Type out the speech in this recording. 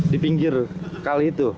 di pinggir kali itu